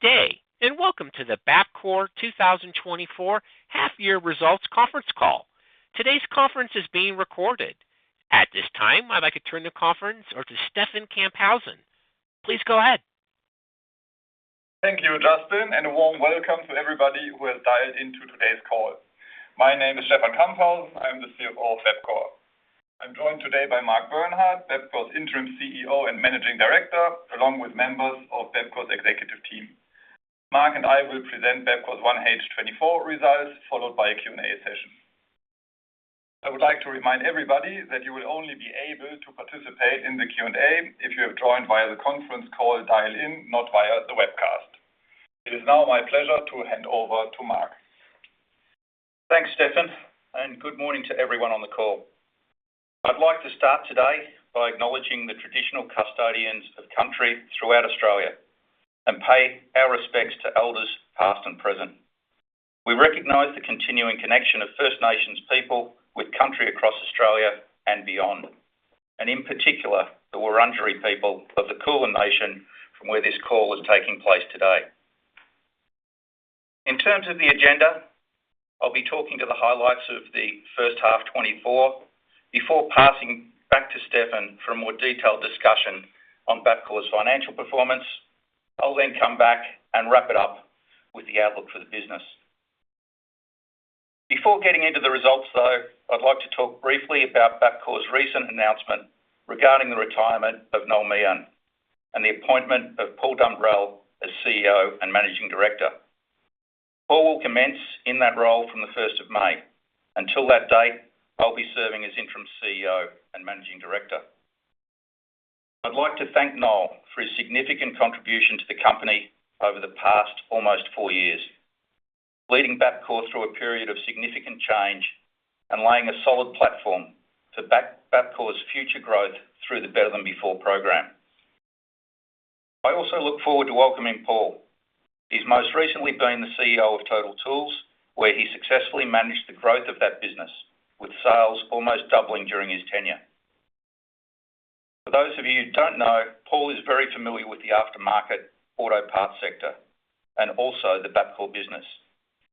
Good day, and welcome to the Bapcor 2024 half year results conference call. Today's conference is being recorded. At this time, I'd like to turn the conference over to Stefan Kamphausen. Please go ahead. Thank you, Justin, and a warm welcome to everybody who has dialed into today's call. My name is Stefan Camphausen. I'm the CFO of Bapcor. I'm joined today by Mark Bernhard, Bapcor's Interim CEO and Managing Director, along with members of Bapcor's executive team. Mark and I will present Bapcor's 1H 2024 results, followed by a Q&A session. I would like to remind everybody that you will only be able to participate in the Q&A if you have joined via the conference call dial-in, not via the webcast. It is now my pleasure to hand over to Mark. Thanks, Stefan, and good morning to everyone on the call. I'd like to start today by acknowledging the traditional custodians of the country throughout Australia, and pay our respects to elders, past and present. We recognize the continuing connection of First Nations people with country across Australia and beyond, and in particular, the Wurundjeri people of the Kulin Nation, from where this call is taking place today. In terms of the agenda, I'll be talking to the highlights of the first half 2024 before passing back to Stefan for a more detailed discussion on Bapcor's financial performance. I'll then come back and wrap it up with the outlook for the business. Before getting into the results, though, I'd like to talk briefly about Bapcor's recent announcement regarding the retirement of Noel Meehan and the appointment of Paul Dumbrell as CEO and Managing Director. Paul will commence in that role from the first of May. Until that date, I'll be serving as Interim CEO and Managing Director. I'd like to thank Noel for his significant contribution to the company over the past almost four years, leading Bapcor through a period of significant change and laying a solid platform to Bapcor's future growth through the Better Than Before program. I also look forward to welcoming Paul. He's most recently been the CEO of Total Tools, where he successfully managed the growth of that business, with sales almost doubling during his tenure. For those of you who don't know, Paul is very familiar with the aftermarket auto parts sector and also the Bapcor business.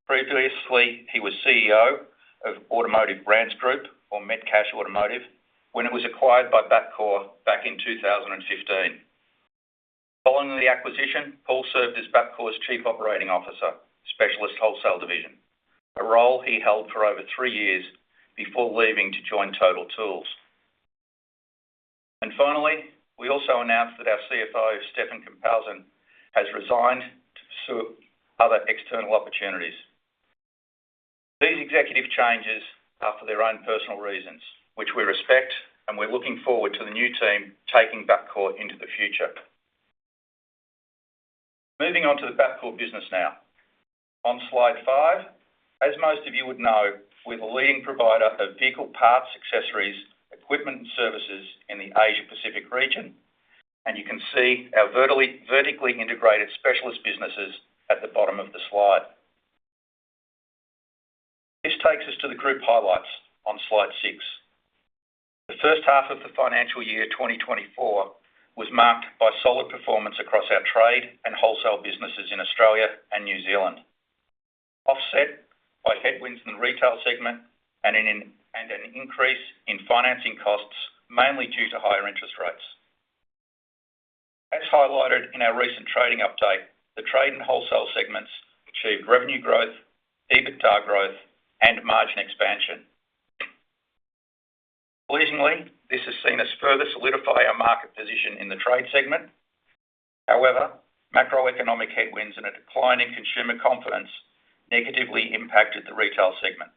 Previously, he was CEO of Automotive Brands Group, or Metcash Automotive, when it was acquired by Bapcor back in 2015. Following the acquisition, Paul served as Bapcor's Chief Operating Officer, Specialist Wholesale Division, a role he held for over 3 years before leaving to join Total Tools. Finally, we also announced that our CFO, Stefan Camphausen, has resigned to pursue other external opportunities. These executive changes are for their own personal reasons, which we respect, and we're looking forward to the new team taking Bapcor into the future. Moving on to the Bapcor business now. On slide 5, as most of you would know, we're the leading provider of vehicle parts, accessories, equipment, and services in the Asia Pacific region, and you can see our vertically integrated specialist businesses at the bottom of the slide. This takes us to the group highlights on slide 6. The first half of the financial year 2024 was marked by solid performance across our trade and wholesale businesses in Australia and New Zealand, offset by headwinds in the retail segment and an increase in financing costs, mainly due to higher interest rates. As highlighted in our recent trading update, the trade and wholesale segments achieved revenue growth, EBITDA growth, and margin expansion. Pleasingly, this has seen us further solidify our market position in the trade segment. However, macroeconomic headwinds and a decline in consumer confidence negatively impacted the retail segment.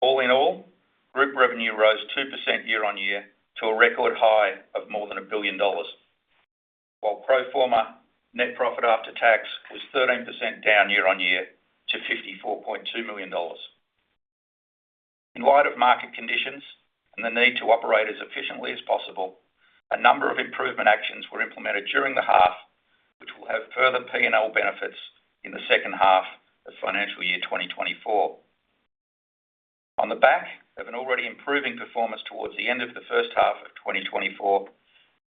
All in all, group revenue rose 2% year-on-year to a record high of more than 1 billion dollars, while pro forma net profit after tax was 13% down year-on-year to 54.2 million dollars. In light of market conditions and the need to operate as efficiently as possible, a number of improvement actions were implemented during the half, which will have further P&L benefits in the second half of financial year 2024. On the back of an already improving performance towards the end of the first half of 2024,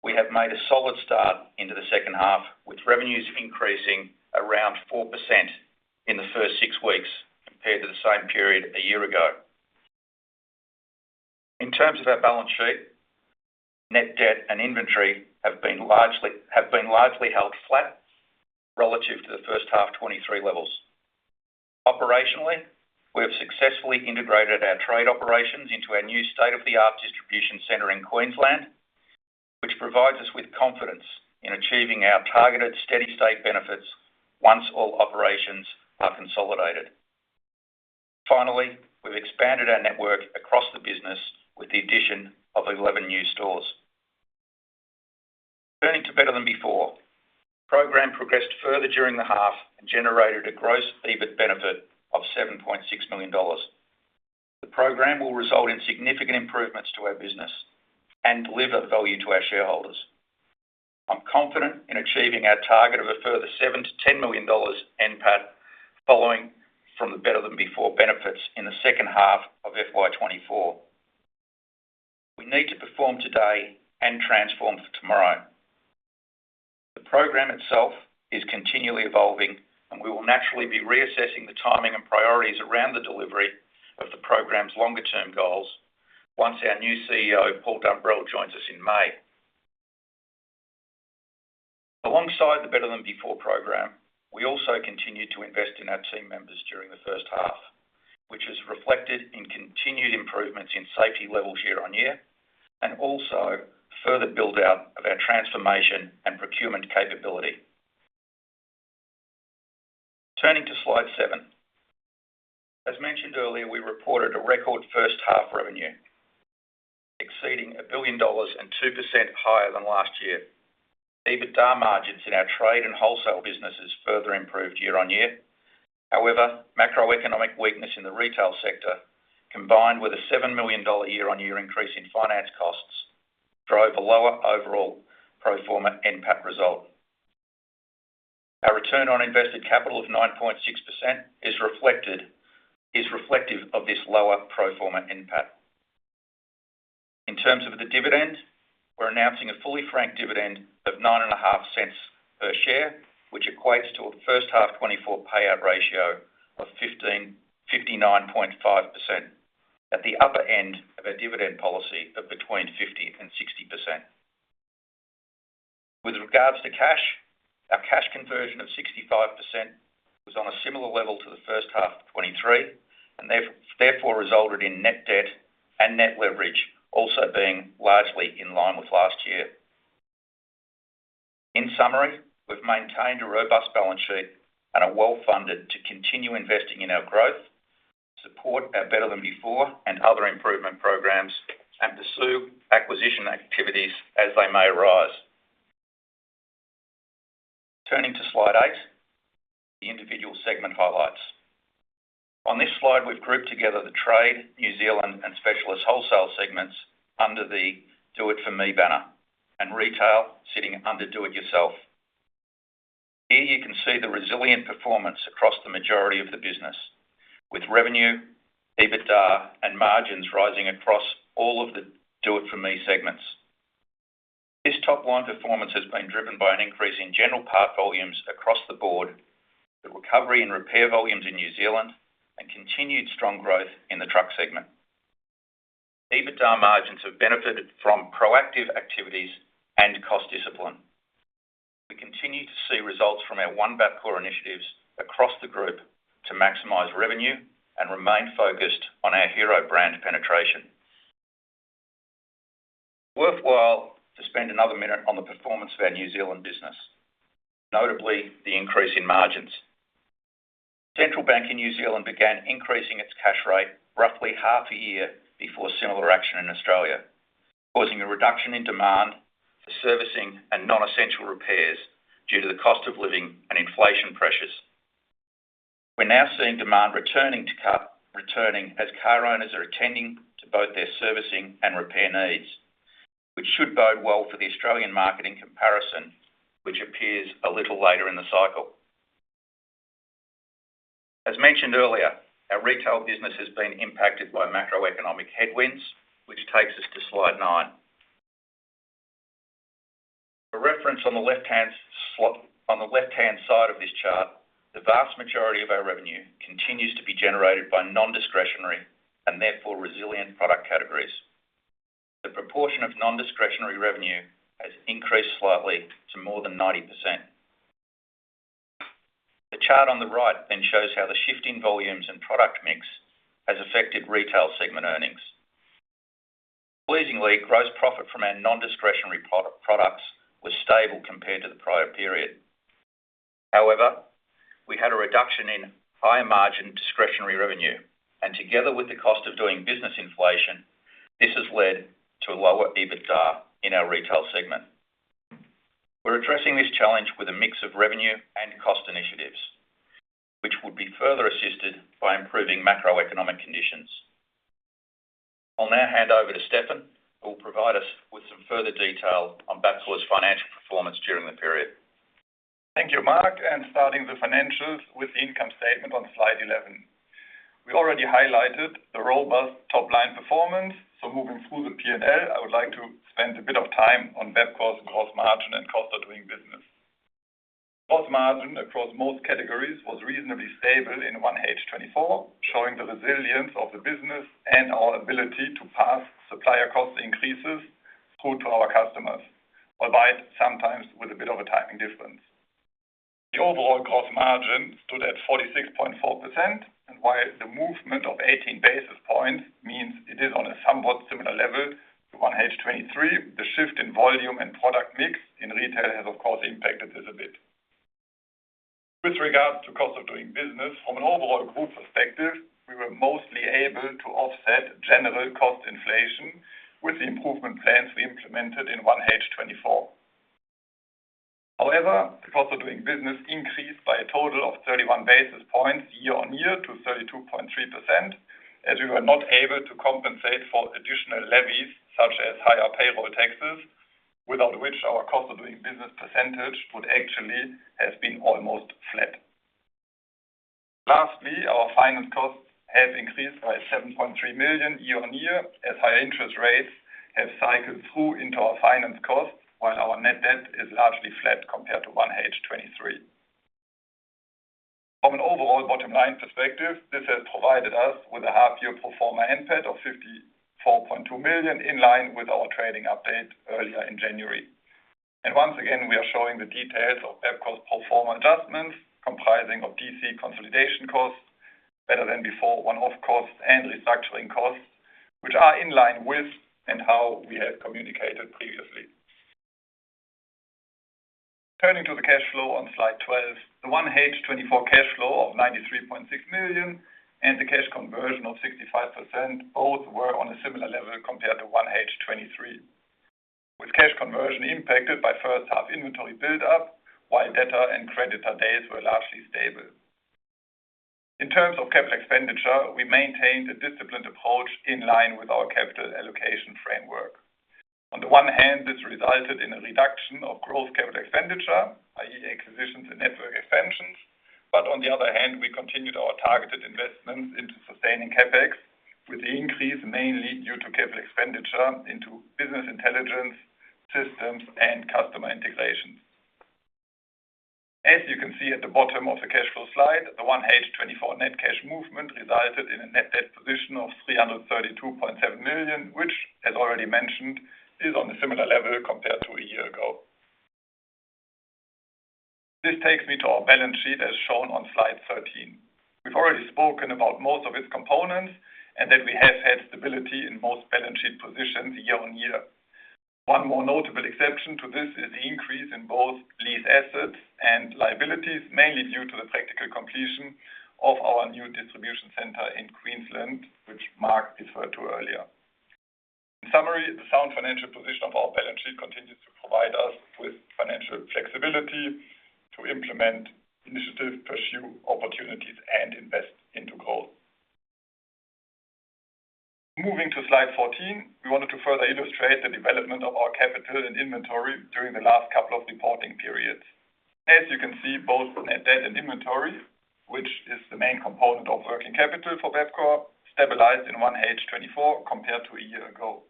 we have made a solid start into the second half, with revenues increasing around 4% in the first six weeks compared to the same period a year ago. In terms of our balance sheet, net debt and inventory have been largely held flat relative to the first half 2023 levels. Operationally, we have successfully integrated our trade operations into our new state-of-the-art distribution center in Queensland, which provides us with confidence in achieving our targeted steady-state benefits once all operations are consolidated. Finally, we've expanded our network across the business with the addition of 11 new stores. Turning to Better Than Before, the program progressed further during the half and generated a gross EBIT benefit of 7.6 million dollars. The program will result in significant improvements to our business and deliver value to our shareholders. I'm confident in achieving our target of a further 7-10 million dollars NPAT, following from the Better Than Before benefits in the second half of FY 2024.... We need to perform today and transform for tomorrow. The program itself is continually evolving, and we will naturally be reassessing the timing and priorities around the delivery of the program's longer term goals once our new CEO, Paul Dumbrell, joins us in May. Alongside the Better Than Before program, we also continued to invest in our team members during the first half, which is reflected in continued improvements in safety levels year-on-year, and also further build out of our transformation and procurement capability. Turning to slide seven. As mentioned earlier, we reported a record first half revenue, exceeding 1 billion dollars and 2% higher than last year. EBITDA margins in our trade and wholesale businesses further improved year-on-year. However, macroeconomic weakness in the retail sector, combined with a 7 million dollar year-on-year increase in finance costs, drove a lower overall pro forma NPAT result. Our return on invested capital of 9.6% is reflective of this lower pro forma NPAT. In terms of the dividend, we're announcing a fully franked dividend of 0.095 per share, which equates to a first half 2024 payout ratio of 59.5%, at the upper end of our dividend policy of between 50% and 60%. With regards to cash, our cash conversion of 65% was on a similar level to the first half of 2023, and therefore resulted in net debt and net leverage also being largely in line with last year. In summary, we've maintained a robust balance sheet and are well-funded to continue investing in our growth, support our Better Than Before and other improvement programs, and pursue acquisition activities as they may arise. Turning to slide 8, the individual segment highlights. On this slide, we've grouped together the trade, New Zealand, and specialist wholesale segments under the Do It For Me banner, and retail sitting under Do It Yourself. Here you can see the resilient performance across the majority of the business, with revenue, EBITDA, and margins rising across all of the Do It For Me segments. This top line performance has been driven by an increase in general part volumes across the board, the recovery and repair volumes in New Zealand, and continued strong growth in the truck segment. EBITDA margins have benefited from proactive activities and cost discipline. We continue to see results from our One Bapcor initiatives across the group to maximize revenue and remain focused on our hero brand penetration. Worthwhile to spend another minute on the performance of our New Zealand business, notably the increase in margins. Central Bank in New Zealand began increasing its cash rate roughly half a year before similar action in Australia, causing a reduction in demand for servicing and non-essential repairs due to the cost of living and inflation pressures. We're now seeing demand returning as car owners are attending to both their servicing and repair needs, which should bode well for the Australian market in comparison, which appears a little later in the cycle. As mentioned earlier, our retail business has been impacted by macroeconomic headwinds, which takes us to slide nine. A reference on the left-hand side of this chart, the vast majority of our revenue continues to be generated by non-discretionary, and therefore resilient product categories. The proportion of non-discretionary revenue has increased slightly to more than 90%. The chart on the right then shows how the shift in volumes and product mix has affected retail segment earnings. Pleasingly, gross profit from our non-discretionary products was stable compared to the prior period. However, we had a reduction in higher margin discretionary revenue, and together with the cost of doing business inflation, this has led to a lower EBITDA in our retail segment. We're addressing this challenge with a mix of revenue and cost initiatives, which would be further assisted by improving macroeconomic conditions. I'll now hand over to Stefan, who will provide us with some further detail on Bapcor's financial performance during the period. Thank you, Mark, and starting the financials with the income statement on slide 11. We already highlighted the robust top-line performance, so moving through the P&L, I would like to spend a bit of time on Bapcor's gross margin and cost of doing business. Gross margin across most categories was reasonably stable in 1H 2024, showing the resilience of the business and our ability to pass supplier cost increases through to our customers, albeit sometimes with a bit of a timing difference. The overall gross margin stood at 46.4%, and while the movement of 18 basis points means it is on a somewhat similar level to 1H 2023, the shift in volume and product mix in retail has of course impacted it a bit. With regards to cost of doing business, from an overall group perspective, we were mostly able to offset general cost inflation with the improvement plans we implemented in 1H 2024. However, the cost of doing business increased by a total of 31 basis points year-on-year to 32.3%, as we were not able to compensate for additional levies such as higher payroll taxes, without which our cost of doing business percentage would actually have been almost flat. Lastly, our finance costs have increased by 7.3 million year-on-year, as high interest rates have cycled through into our finance costs, while our net debt is largely flat compared to 1H 2023. From an overall bottom line perspective, this has provided us with a half year pro forma NPAT of 54.2 million, in line with our trading update earlier in January. Once again, we are showing the details of Bapcor's pro forma adjustments comprising of DC consolidation costs, Better Than Before, one-off costs and restructuring costs, which are in line with and how we had communicated previously. Turning to the cash flow on slide 12, the 1H 2024 cash flow of 93.6 million and the cash conversion of 65%, both were on a similar level compared to 1H 2023, with cash conversion impacted by first half inventory buildup, while debtor and creditor days were largely stable. In terms of capital expenditure, we maintained a disciplined approach in line with our capital allocation framework. On the one hand, this resulted in a reduction of growth capital expenditure, i.e., acquisitions and network expansions, but on the other hand, we continued our targeted investments into sustaining CapEx, with the increase mainly due to capital expenditure into business intelligence systems and customer integrations. As you can see at the bottom of the cash flow slide, the 1H 2024 net cash movement resulted in a net debt position of 332.7 million, which, as already mentioned, is on a similar level compared to a year ago. This takes me to our balance sheet, as shown on slide 13. We've already spoken about most of its components and that we have had stability in most balance sheet positions year-on-year. One more notable exception to this is the increase in both lease assets and liabilities, mainly due to the practical completion of our new distribution center in Queensland, which Mark referred to earlier. In summary, the sound financial position of our balance sheet continues to provide us with financial flexibility to implement initiatives, pursue opportunities, and invest into growth. Moving to slide 14, we wanted to further illustrate the development of our capital and inventory during the last couple of reporting periods. As you can see, both net debt and inventory, which is the main component of working capital for Bapcor, stabilized in 1H 2024 compared to a year ago.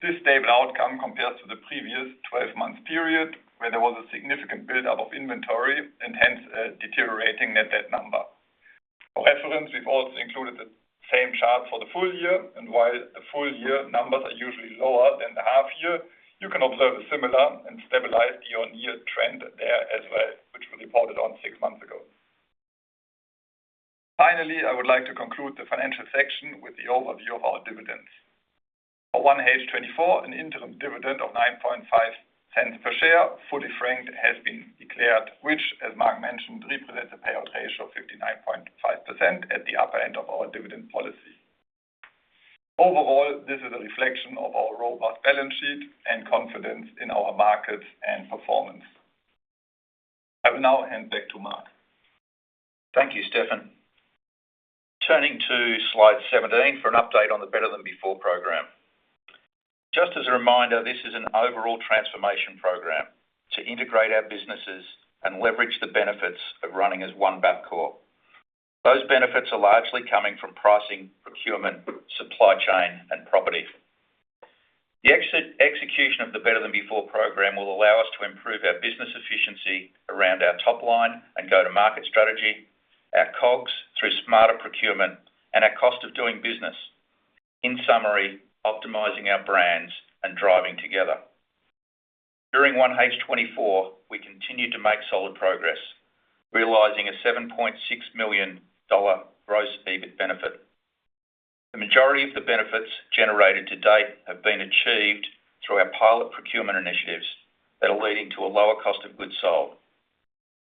This stable outcome compares to the previous 12-month period, where there was a significant buildup of inventory and hence a deteriorating net debt number. For reference, we've also included the same chart for the full year, and while the full year numbers are usually lower than the half year, you can observe a similar and stabilized year-on-year trend there as well, which we reported on six months ago. Finally, I would like to conclude the financial section with the overview of our dividends. For 1H 2024, an interim dividend of 0.095 per share, fully franked, has been declared, which, as Mark mentioned, represents a payout ratio of 59.5% at the upper end of our dividend policy. Overall, this is a reflection of our robust balance sheet and confidence in our markets and performance. I will now hand back to Mark. Thank you, Stefan. Turning to slide 17 for an update on the Better Than Before program. Just as a reminder, this is an overall transformation program to integrate our businesses and leverage the benefits of running as one Bapcor. Those benefits are largely coming from pricing, procurement, supply chain, and property. The execution of the Better Than Before program will allow us to improve our business efficiency around our top line and go-to-market strategy, our COGS through smarter procurement, and our cost of doing business. In summary, optimizing our brands and driving together. During 1H 2024, we continued to make solid progress, realizing a 7.6 million dollar gross EBIT benefit. The majority of the benefits generated to date have been achieved through our pilot procurement initiatives that are leading to a lower cost of goods sold.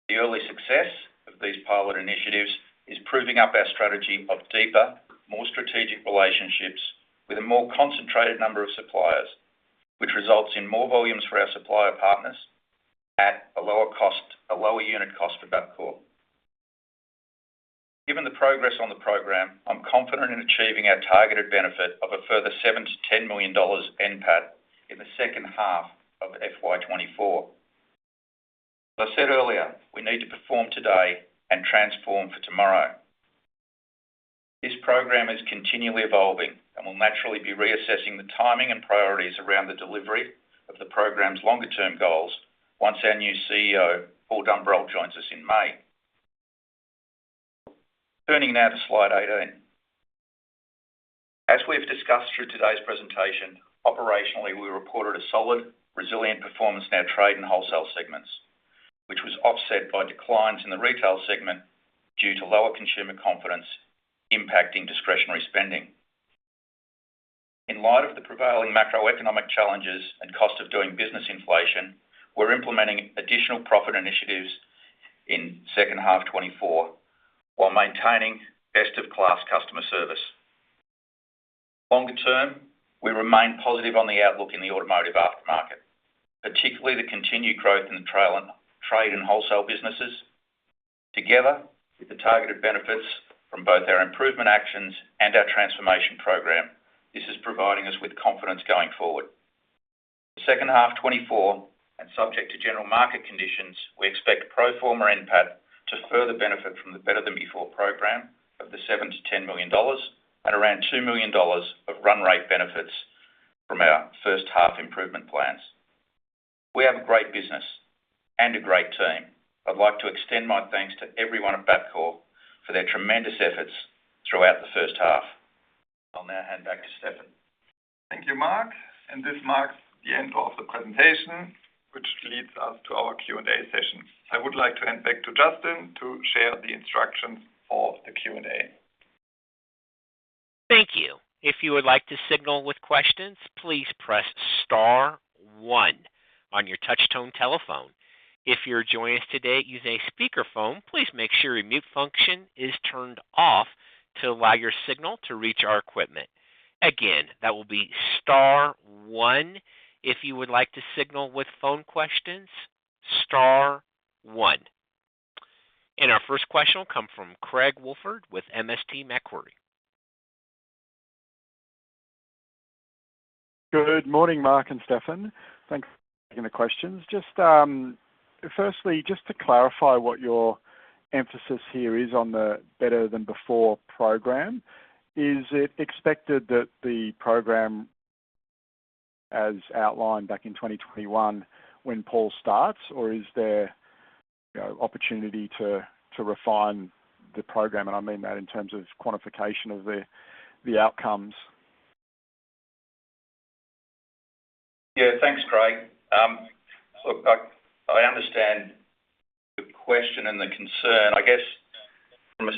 The early success of these pilot initiatives is proving up our strategy of deeper, more strategic relationships with a more concentrated number of suppliers, which results in more volumes for our supplier partners at a lower cost, a lower unit cost for Bapcor. Given the progress on the program, I'm confident in achieving our targeted benefit of a further 7 million-10 million dollars NPAT in the second half of FY 2024. As I said earlier, we need to perform today and transform for tomorrow. This program is continually evolving and will naturally be reassessing the timing and priorities around the delivery of the program's longer-term goals once our new CEO, Paul Dumbrell, joins us in May. Turning now to slide 18. As we've discussed through today's presentation, operationally, we reported a solid, resilient performance in our trade and wholesale segments, which was offset by declines in the retail segment due to lower consumer confidence impacting discretionary spending. In light of the prevailing macroeconomic challenges and cost of doing business inflation, we're implementing additional profit initiatives in second half 2024, while maintaining best-in-class customer service. Longer term, we remain positive on the outlook in the automotive aftermarket, particularly the continued growth in the trade and wholesale businesses, together with the targeted benefits from both our improvement actions and our transformation program. This is providing us with confidence going forward. The second half 2024, and subject to general market conditions, we expect pro forma NPAT to further benefit from the Better Than Before program of 7 million-10 million dollars and around 2 million dollars of run rate benefits from our first half improvement plans. We have a great business and a great team. I'd like to extend my thanks to everyone at Bapcor for their tremendous efforts throughout the first half. I'll now hand back to Stefan. Thank you, Mark, and this marks the end of the presentation, which leads us to our Q&A session. I would like to hand back to Justin to share the instructions for the Q&A. Thank you. If you would like to signal with questions, please press star one on your touchtone telephone. If you're joining us today using a speakerphone, please make sure your mute function is turned off to allow your signal to reach our equipment. Again, that will be star one. If you would like to signal with phone questions, star one. Our first question will come from Craig Woolford with MST Marquee. Good morning, Mark and Stefan. Thanks for taking the questions. Just, firstly, just to clarify what your emphasis here is on the Better Than Before program, is it expected that the program as outlined back in 2021 when Paul starts, or is there, you know, opportunity to refine the program? And I mean that in terms of quantification of the outcomes. Yeah, thanks, Craig. Look, I understand the question and the concern. I guess from a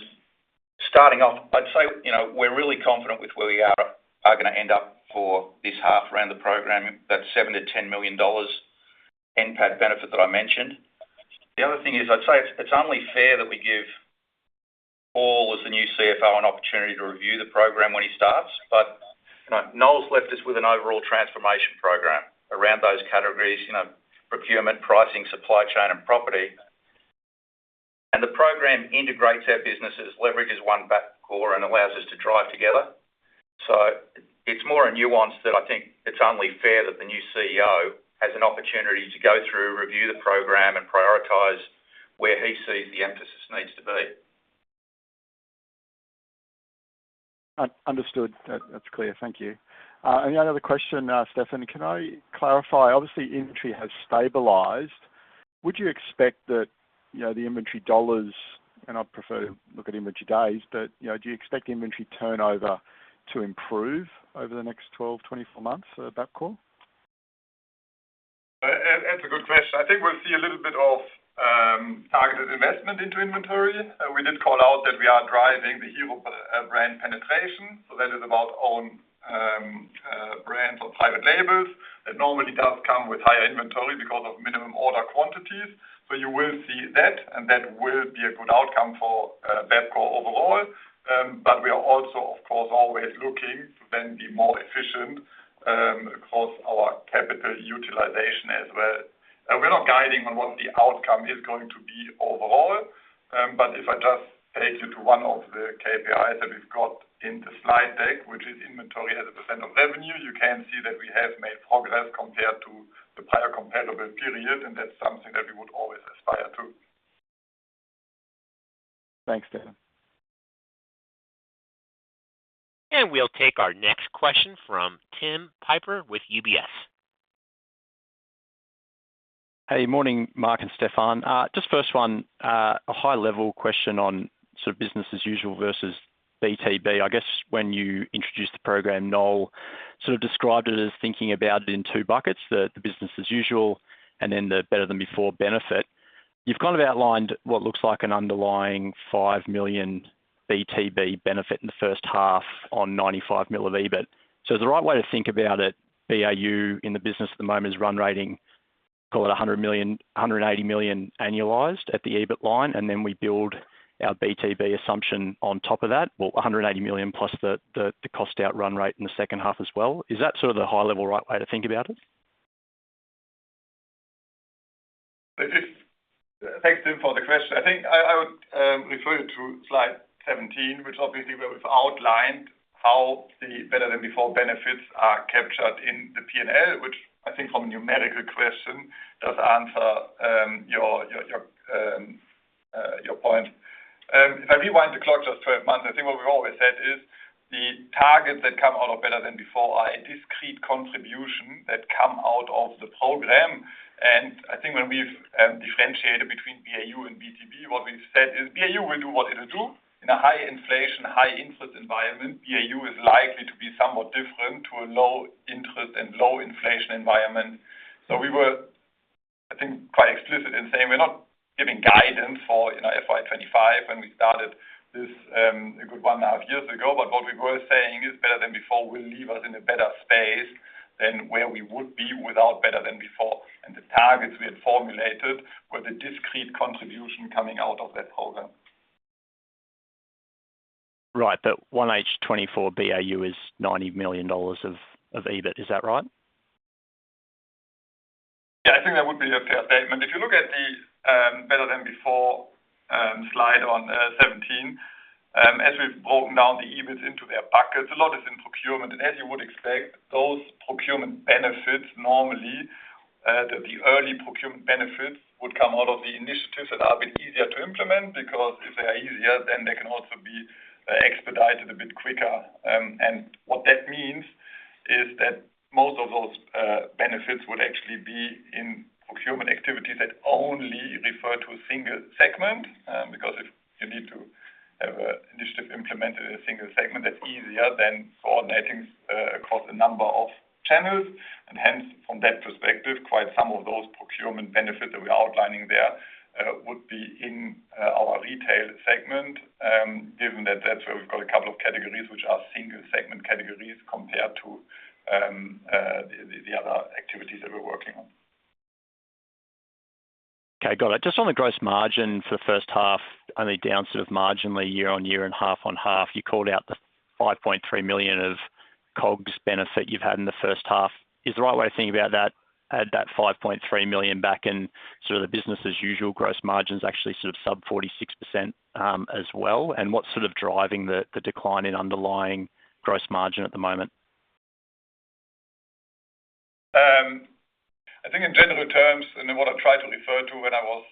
starting off, I'd say, you know, we're really confident with where we are, are gonna end up for this half around the program. That's 7 million-10 million dollars NPAT benefit that I mentioned. The other thing is, I'd say it's only fair that we give Paul, as the new CEO, an opportunity to review the program when he starts. But, you know, Noel's left us with an overall transformation program around those categories, you know, procurement, pricing, supply chain, and property. And the program integrates our businesses, leverages One Bapcor, and allows us to drive together. So it's more a nuance that I think it's only fair that the new CEO has an opportunity to go through, review the program and prioritize where he sees the emphasis needs to be. Understood. That's clear. Thank you. And the other question, Stefan, can I clarify, obviously, inventory has stabilized. Would you expect that, you know, the inventory dollars, and I'd prefer to look at inventory days, but, you know, do you expect the inventory turnover to improve over the next 12-24 months at Bapcor? That's a good question. I think we'll see a little bit of targeted investment into inventory. We did call out that we are driving the hero brand penetration, so that is about own brands or private labels. That normally does come with higher inventory because of minimum order quantities. So you will see that, and that will be a good outcome for Bapcor overall. But we are also, of course, always looking to then be more efficient across our capital utilization as well. We're not guiding on what the outcome is going to be overall, but if I just take you to one of the KPIs that we've got in the slide deck, which is inventory as a % of revenue, you can see that we have made progress compared to the prior comparable period, and that's something that we would always aspire to. Thanks, Stefan. We'll take our next question from Tim Piper with UBS. Hey, morning, Mark and Stefan. Just first one, a high-level question on sort of business as usual versus BTB. I guess when you introduced the program, Noel sort of described it as thinking about it in two buckets, the business as usual, and then the Better Than Before benefit. You've kind of outlined what looks like an underlying 5 million BTB benefit in the first half on 95 million of EBIT. So is the right way to think about it, BAU in the business at the moment is run rating, call it 100 million, 180 million annualized at the EBIT line, and then we build our BTB assumption on top of that? Well, 180 million plus the cost outrun rate in the second half as well. Is that sort of the high-level right way to think about it? Just thanks, Tim, for the question. I think I would refer you to slide 17, which obviously where we've outlined how the Better Than Before benefits are captured in the P&L, which I think from your model question, does answer your point. If I rewind the clock just 12 months, I think what we've always said is the targets that come out of Better Than Before are a discrete contribution that come out of the program. And I think when we've differentiated between BAU and BTB, what we've said is BAU will do what it'll do. In a high inflation, high interest environment, BAU is likely to be somewhat different to a low interest and low inflation environment. So we were, I think, quite explicit in saying we're not giving guidance for, you know, FY 25 when we started this a good one and a half years ago. But what we were saying is Better Than Before will leave us in a better space than where we would be without Better Than Before. And the targets we had formulated were the discrete contribution coming out of that program. Right. But 1H24 BAU is 90 million dollars of EBIT. Is that right? Yeah, I think that would be a fair statement. If you look at the Better Than Before slide on 17, as we've broken down the EBIT into their buckets, a lot is in procurement. And as you would expect, those procurement benefits, normally, the early procurement benefits would come out of the initiatives that are a bit easier to implement, because if they are easier, then they can also be expedited a bit quicker. And what that means is that most of those benefits would actually be in procurement activities that only refer to a single segment. Because if you need to have a initiative implemented in a single segment, that's easier than coordinating across a number of channels. Hence, from that perspective, quite some of those procurement benefits that we're outlining there would be in our retail segment, given that that's where we've got a couple of categories, which are single segment categories compared to the other activities that we're working on. Okay, got it. Just on the gross margin for the first half, only down sort of marginally year-on-year and half-on-half, you called out the 5.3 million of COGS benefit you've had in the first half. Is the right way to think about that, add that 5.3 million back in sort of the business as usual, gross margin's actually sort of sub 46%, as well? And what's sort of driving the, the decline in underlying gross margin at the moment? I think in general terms, and what I tried to refer to when I was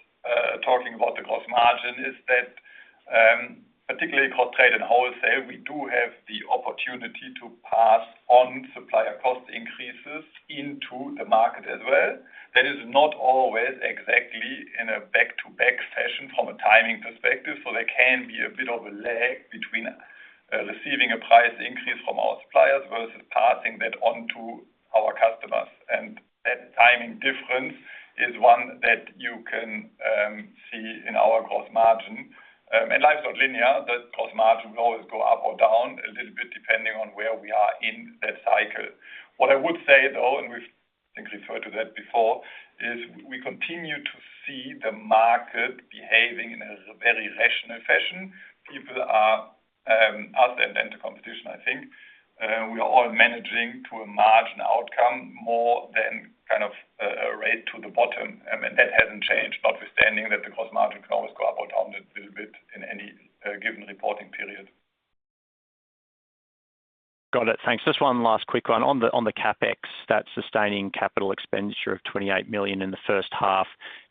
talking about the gross margin, is that, particularly for trade and wholesale, we do have the opportunity to pass on supplier cost increases into the market as well. That is not always exactly in a back-to-back fashion from a timing perspective, so there can be a bit of a lag between receiving a price increase from our suppliers versus passing that on to our customers. And that timing difference is one that you can see in our gross margin. And life's not linear, but gross margin will always go up or down a little bit, depending on where we are in that cycle. What I would say, though, and we've I think referred to that before, is we continue to see the market behaving in a very rational fashion. People are us and then the competition, I think, we are all managing to a margin outcome more than kind of a race to the bottom, and that hasn't changed, notwithstanding that the gross margin can always go up or down a little bit in any given reporting period. Got it. Thanks. Just one last quick one. On the CapEx, that sustaining capital expenditure of 28 million in the first half,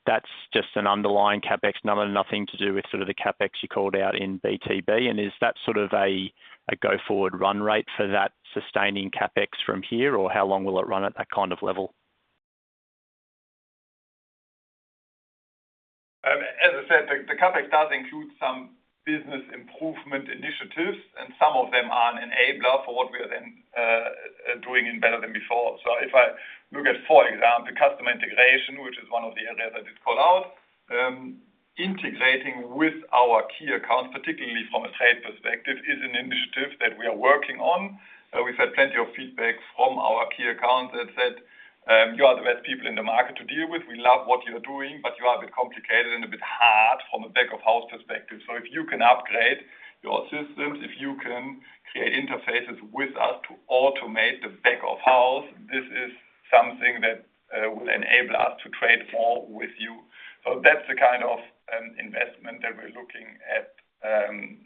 that's just an underlying CapEx, nothing to do with sort of the CapEx you called out in BTB. And is that sort of a go-forward run rate for that sustaining CapEx from here, or how long will it run at that kind of level? As I said, the CapEx does include some business improvement initiatives, and some of them are an enabler for what we are then doing in Better Than Before. So if I look at, for example, customer integration, which is one of the areas I did call out, integrating with our key accounts, particularly from a trade perspective, is an initiative that we are working on. We've had plenty of feedback from our key accounts that said, "You are the best people in the market to deal with. We love what you're doing, but you are a bit complicated and a bit hard from a back-of-house perspective. So if you can upgrade your systems, if you can create interfaces with us to automate the back of house, this is something that will enable us to trade more with you." So that's the kind of investment that we're looking at,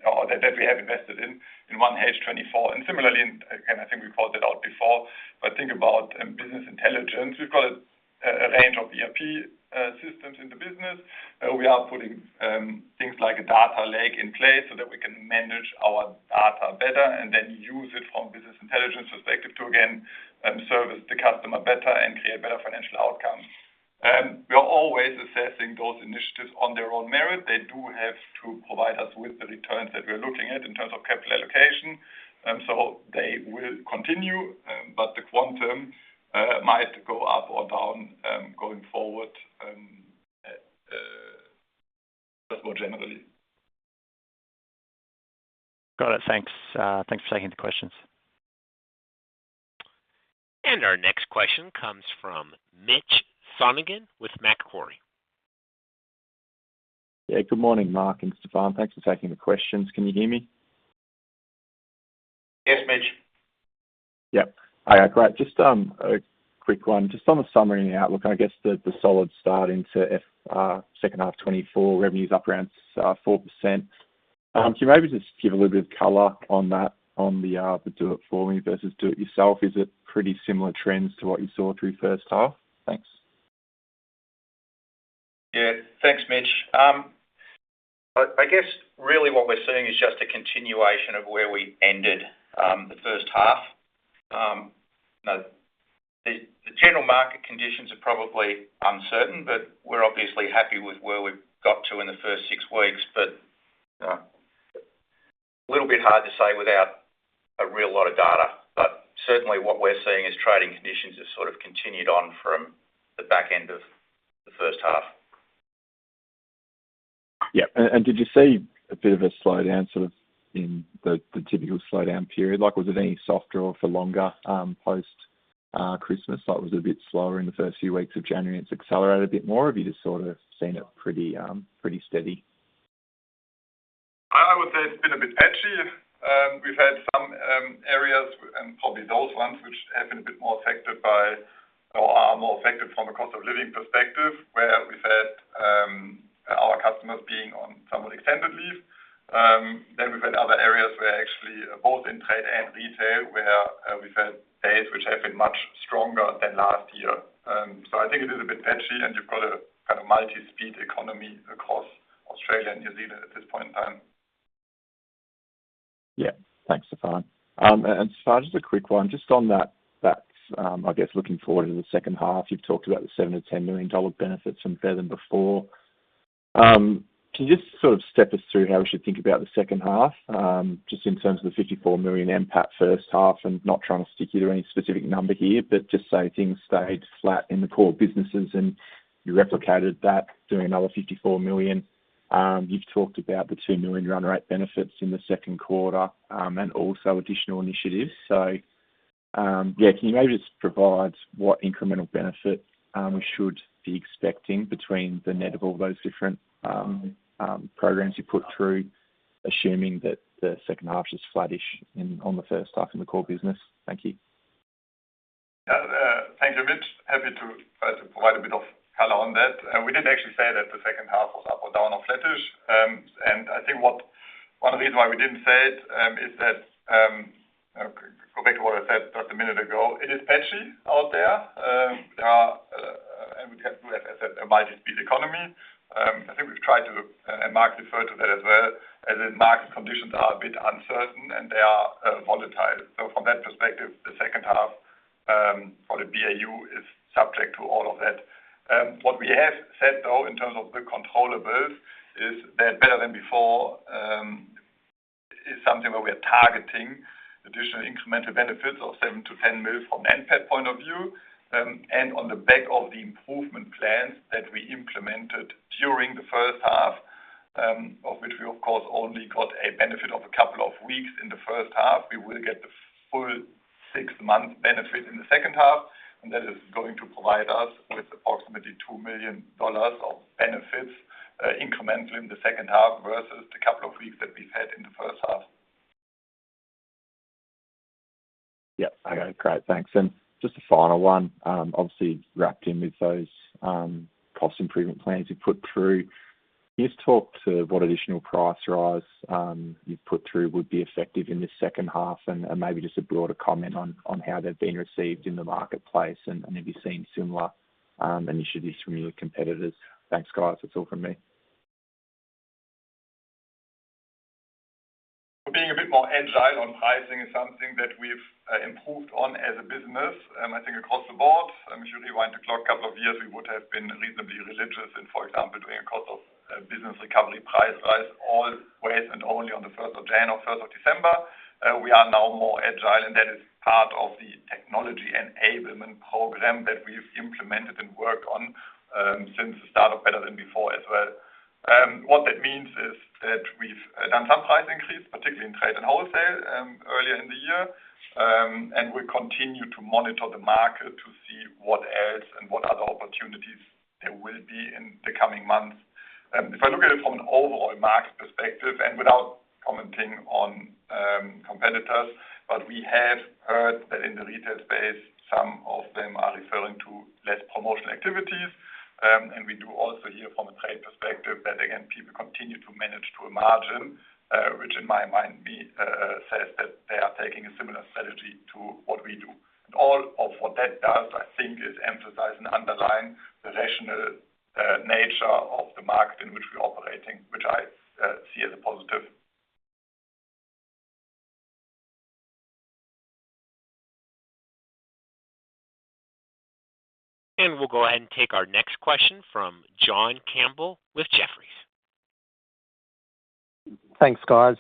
or that we have invested in in 1H 2024. And similarly, and again, I think we called it out before, but think about business intelligence. We've got a range of ERP systems in the business. We are putting things like a data lake in place so that we can manage our data better and then use it from business intelligence perspective to again service the customer better and create better financial outcomes. We are always assessing those initiatives on their own merit. They do have to provide us with the returns that we're looking at in terms of capital allocation, so they will continue, but the quantum might go up or down, going forward, more generally. Got it. Thanks. Thanks for taking the questions. Our next question comes from Mitchell Sonogan with Macquarie. Yeah. Good morning, Mark and Stefan. Thanks for taking the questions. Can you hear me? Yes, Mitch. Yep. All right, great. Just a quick one. Just on the summary and the outlook, I guess the solid start into second half 2024, revenues up around 4%. Can you maybe just give a little bit of color on that, on the Do It For Me versus Do It Yourself? Is it pretty similar trends to what you saw through first half? Thanks. Yeah. Thanks, Mitch. I guess really what we're seeing is just a continuation of where we ended the first half. The general market conditions are probably uncertain, but we're obviously happy with where we've got to in the first six weeks. But a little bit hard to say without a real lot of data, but certainly what we're seeing is trading conditions have sort of continued on from the back end of the first half. Yeah. And did you see a bit of a slowdown, sort of in the typical slowdown period? Like, was it any softer or for longer post Christmas? Like, was it a bit slower in the first few weeks of January, and it's accelerated a bit more, or have you just sort of seen it pretty steady? I'd say it's been a bit patchy. We've had some areas, and probably those ones, which have been a bit more affected by or are more affected from a cost of living perspective, where we've had our customers being on somewhat extended leave. Then we've had other areas where actually both in trade and retail, where we've had days which have been much stronger than last year. So I think it is a bit patchy, and you've got a kind of multi-speed economy across Australia and New Zealand at this point in time. Yeah. Thanks, Stefan. And Stefan, just a quick one. Just on that, I guess, looking forward to the second half, you've talked about the 7-10 million dollar benefits from Better Than Before. Can you just sort of step us through how we should think about the second half, just in terms of the 54 million NPAT first half, and not trying to stick you to any specific number here, but just say things stayed flat in the core businesses and you replicated that doing another 54 million. You've talked about the 2 million run rate benefits in the second quarter, and also additional initiatives. Yeah, can you maybe just provide what incremental benefit we should be expecting between the net of all those different programs you put through, assuming that the second half is flattish in on the first half in the core business? Thank you. Yeah. Thank you, Mitch. Happy to provide a bit of color on that. We didn't actually say that the second half was up or down or flattish. And I think what one of the reasons why we didn't say it is that, go back to what I said about a minute ago, it is patchy out there. And we have, as I said, a multi-speed economy. I think we've tried to, and Mark referred to that as well, as the market conditions are a bit uncertain and they are volatile. So from that perspective, the second half for the BAU is subject to all of that. What we have said, though, in terms of the controllables, is that Better Than Before is something where we are targeting additional incremental benefits of 7 million-10 million from NPAT point of view. And on the back of the improvement plans that we implemented during the first half, of which we, of course, only got a benefit of a couple of weeks in the first half. We will get the full six-month benefit in the second half, and that is going to provide us with approximately 2 million dollars of benefits, incrementally in the second half versus the couple of weeks that we've had in the first half. Yeah. Okay, great. Thanks. And just a final one, obviously, wrapped in with those, cost improvement plans you put through. Can you just talk to what additional price rise, you've put through would be effective in this second half, and, and maybe just a broader comment on, on how they've been received in the marketplace and, and have you seen similar, initiatives from your competitors? Thanks, guys. That's all from me. Being a bit more agile on pricing is something that we've improved on as a business, I think across the board. If you rewind the clock a couple of years, we would have been reasonably religious in, for example, doing a cost of business recovery price rise always and only on the first of January or first of December. We are now more agile, and that is part of the technology enablement program that we've implemented and worked on, since the start of Better Than Before as well. What that means is that we've done some price increase, particularly in trade and wholesale, earlier in the year. And we continue to monitor the market to see what else and what other opportunities there will be in the coming months. If I look at it from an overall market perspective and without commenting on competitors, but we have heard that in the retail space, some of them are referring to less promotional activities. And we do also hear from a trade perspective that, again, people continue to manage to a margin, which in my mind says that they are taking a similar strategy to what we do. And all of what that does, I think, is emphasize and underline the rational nature of the market in which we're operating, which I see as a positive. We'll go ahead and take our next question from John Campbell with Jefferies. Thanks, guys.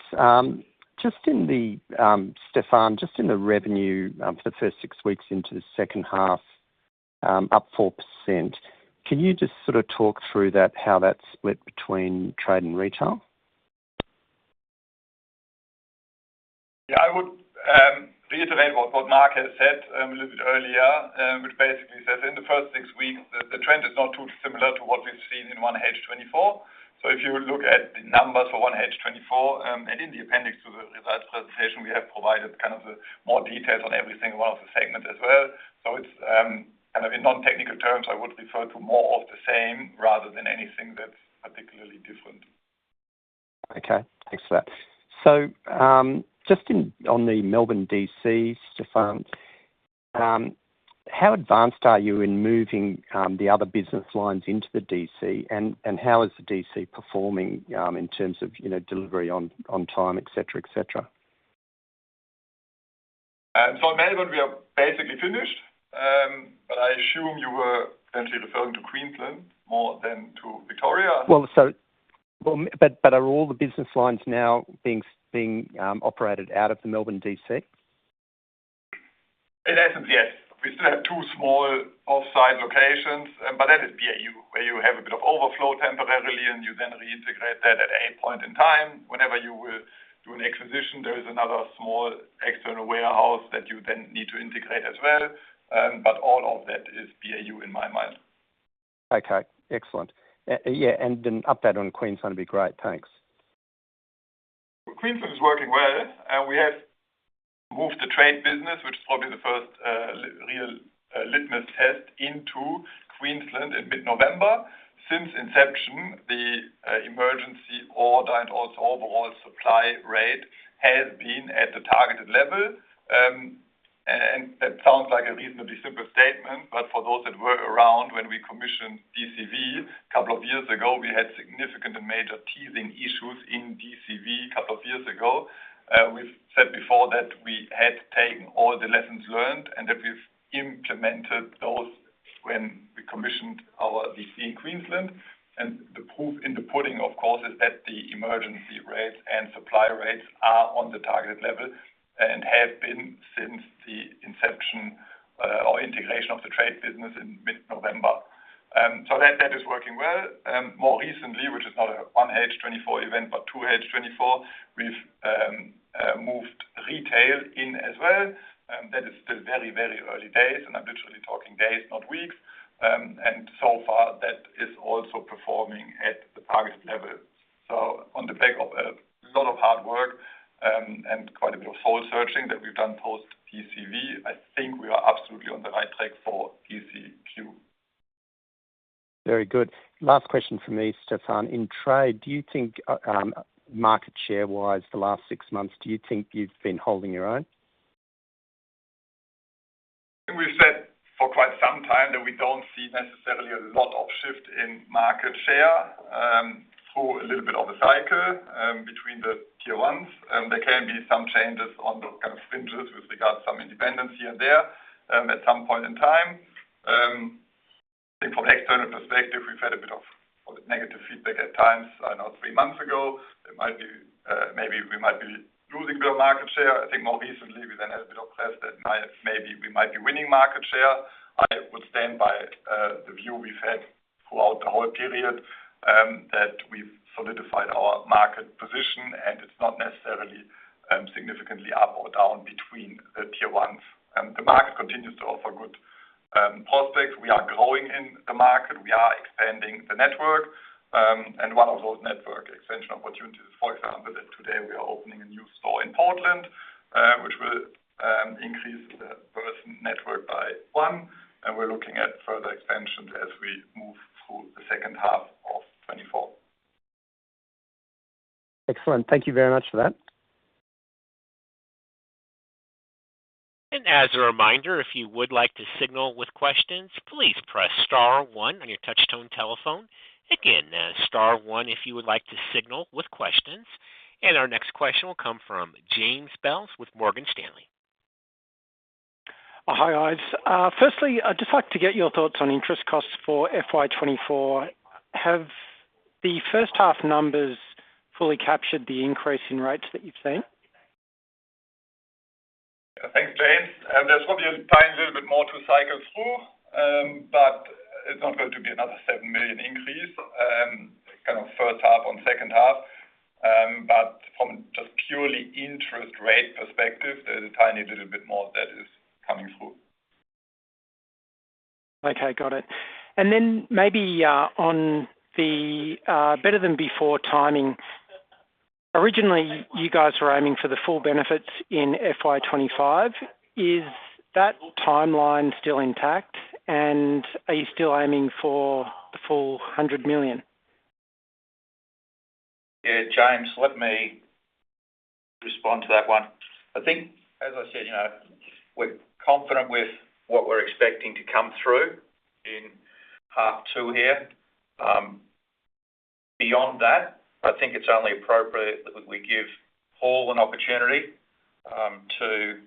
Stefan, just in the revenue for the first six weeks into the second half, up 4%. Can you just sort of talk through that, how that's split between trade and retail? Yeah, I would reiterate what Mark has said a little bit earlier, which basically says in the first six weeks, the trend is not too similar to what we've seen in 1H 2024. So if you look at the numbers for 1H 2024, and in the appendix to the results presentation, we have provided kind of the more details on every single one of the segments as well. So it's kind of in non-technical terms, I would refer to more of the same rather than anything that's particularly different. Okay, thanks for that. So, just on the Melbourne DC, Stefan, how advanced are you in moving the other business lines into the DC? And how is the DC performing in terms of, you know, delivery on time, et cetera, et cetera? In Melbourne, we are basically finished, but I assume you were potentially referring to Queensland more than to Victoria. Well, but, are all the business lines now being operated out of the Melbourne DC? In essence, yes. We still have two small off-site locations, but that is BAU, where you have a bit of overflow temporarily, and you then reintegrate that at a point in time. Whenever you will do an acquisition, there is another small external warehouse that you then need to integrate as well. But all of that is BAU, in my mind. Okay, excellent. Yeah, and an update on Queensland would be great. Thanks. Queensland is working well, and we have moved the trade business, which is probably the first real litmus test into Queensland in mid-November. Since inception, the emergency order and also overall supply rate has been at the targeted level. And that sounds like a reasonably simple statement, but for those that were around when we commissioned DCV a couple of years ago, we had significant and major teething issues in DCV a couple of years ago. We've said before that we had taken all the lessons learned and that we've implemented those when we commissioned our DC in Queensland, and the proof in the pudding, of course, is that the emergency rates and supply rates are on the target level and have been since the inception or integration of the trade business in mid-November. So that is working well. More recently, which is not a 1H 2024 event, but 2H 2024, we've moved retail in as well, and that is still very, very early days, and I'm literally talking days, not weeks. So far, that is also performing at the target level. So on the back of a lot of hard work, and quite a bit of soul-searching that we've done post DCV, I think we are absolutely on the right track for DCQ. Very good. Last question from me, Stefan. In trade, do you think, market share-wise, the last six months, do you think you've been holding your own? We've said for quite some time that we don't see necessarily a lot of shift in market share through a little bit of a cycle between the tier ones. There can be some changes on the kind of fringes with regards to some independents here and there at some point in time. I think from an external perspective, we've had a bit of negative feedback at times, I know, three months ago. There might be maybe we might be losing a bit of market share. I think more recently, we then had a bit of press that might maybe we might be winning market share. I would stand by the view we've had throughout the whole period that we've solidified our market position, and it's not necessarily significantly up or down between the tier ones. The market continues to offer good prospects. We are growing in the market. We are expanding the network. And one of those network expansion opportunities, for example, is today we are opening a new store in Portland, which will increase the Burson network by one, and we're looking at further expansions as we move through the second half of 2024. Excellent. Thank you very much for that. As a reminder, if you would like to signal with questions, please press star one on your touchtone telephone. Again, star one if you would like to signal with questions. Our next question will come from James Bales with Morgan Stanley. Hi, guys. Firstly, I'd just like to get your thoughts on interest costs for FY 2024. Have the first half numbers fully captured the increase in rates that you've seen? Thanks, James. And there's probably a tiny little bit more to cycle through, but it's not going to be another 7 million increase, kind of first half on second half. But from just purely interest rate perspective, there's a tiny little bit more that is coming through. Okay, got it. And then maybe, on the, Better Than Before timing, originally, you guys were aiming for the full benefits in FY 2025. Is that timeline still intact, and are you still aiming for the full 100 million? Yeah, James, let me respond to that one. I think, as I said, you know, we're confident with what we're expecting to come through in part two here. Beyond that, I think it's only appropriate that we give Paul an opportunity to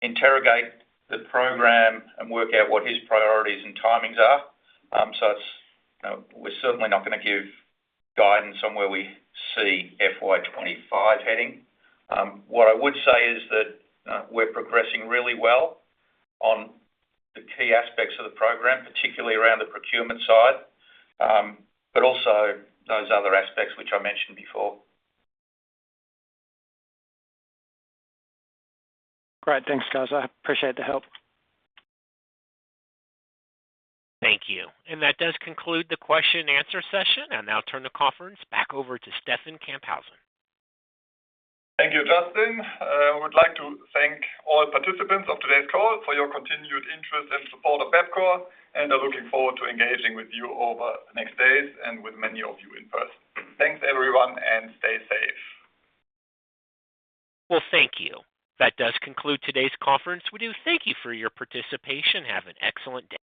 interrogate the program and work out what his priorities and timings are. So, we're certainly not going to give guidance on where we see FY 25 heading. What I would say is that, we're progressing really well on the key aspects of the program, particularly around the procurement side, but also those other aspects, which I mentioned before. Great. Thanks, guys. I appreciate the help. Thank you. That does conclude the question and answer session. I'll now turn the conference back over to Stefan Camphausen. Thank you, Justin. I would like to thank all participants of today's call for your continued interest and support of Bapcor, and I'm looking forward to engaging with you over the next days and with many of you in person. Thanks, everyone, and stay safe. Well, thank you. That does conclude today's conference. We do thank you for your participation. Have an excellent day.